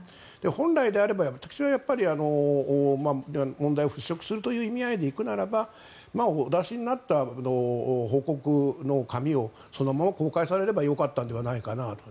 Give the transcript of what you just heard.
本来であれば私は問題を払しょくするという意味合いで行くならばお出しになった報告の紙をそのまま公開されればよかったのではないかなと。